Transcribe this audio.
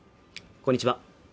こんにちは